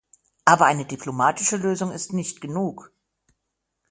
Aber eine diplomatische Lösung ist nicht genug!